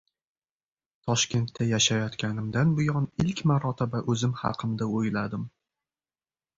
Toshkentda yashayotganimdan buyon ilk marotaba o‘zim haqimda o‘yladim: